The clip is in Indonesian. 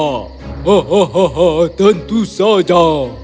hahaha tentu saja